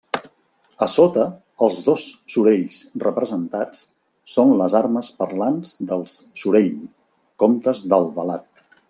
A sota, els dos sorells representats són les armes parlants dels Sorell, comtes d'Albalat.